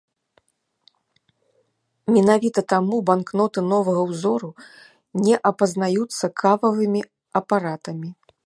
Менавіта таму банкноты новага ўзору не апазнаюцца кававымі апаратамі.